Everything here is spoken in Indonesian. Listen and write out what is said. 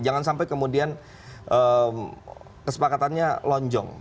jangan sampai kemudian kesepakatannya lonjong